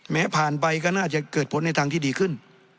ผ่านไปก็น่าจะเกิดผลในทางที่ดีขึ้น